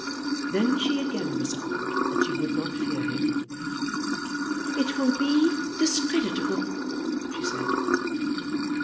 Then she again resolved that she would not fear him. "It will be discreditable," she said.